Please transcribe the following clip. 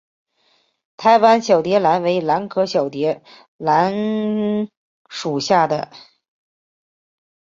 台湾小蝶兰为兰科小蝶兰属下的一个种。